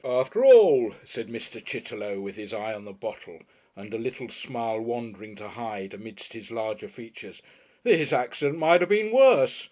"After all," said Mr. Chitterlow, with his eye on the bottle and a little smile wandering to hide amidst his larger features, "this accident might have been worse.